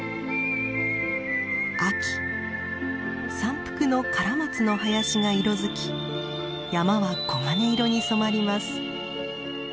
秋山腹のカラマツの林が色づき山は黄金色に染まります。